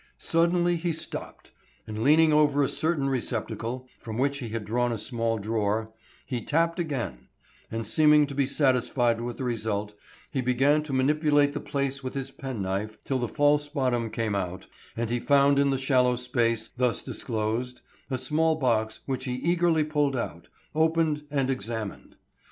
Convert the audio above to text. Suddenly he stopped, and leaning over a certain receptacle, from which he had drawn a small drawer, he tapped again, and seeming to be satisfied with the result, began to manipulate the place with his penknife till the false bottom came out and he found in the shallow space thus disclosed a small box which he eagerly pulled out, opened, and examined.